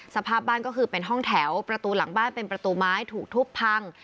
สภาพบ้านก็คือเป็นห้องแถวประตูหลังบ้านเป็นประตูไม้ถูกทุบพัง